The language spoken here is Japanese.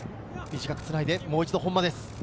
短くつないでもう一度本間です。